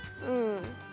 うん。